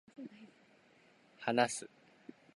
話す